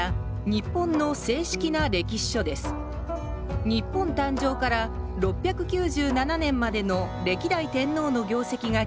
日本誕生から６９７年までの歴代天皇の業績が記録されています